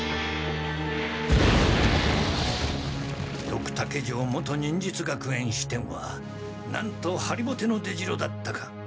ドクタケ城元忍術学園支店はなんとはりぼての出城だったか。